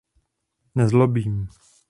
Nezlobím.